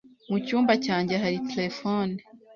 Mu cyumba cyanjye hari terefone.